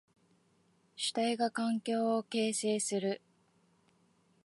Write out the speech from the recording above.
主体が環境を形成する。